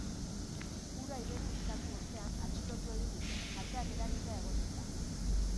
Hura identifikatu ostean, atxilotu egin dute, kalteak eragitea egotzita.